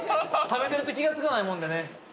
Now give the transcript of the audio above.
◆食べてると気がつかないもんでね。